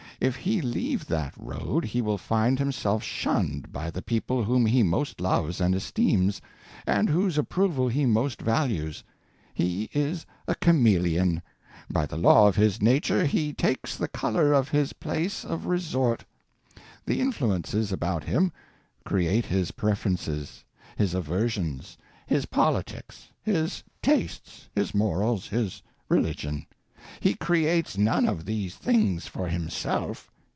If he leave[s] that road he will find himself shunned by the people whom he most loves and esteems, and whose approval he most values. He is a chameleon; by the law of his nature he takes the color of his place of resort. The influences about him create his preferences, his aversions, his politics, his tastes, his morals, his religion. He creates none of these things for himself.